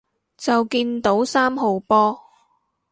就見到三號波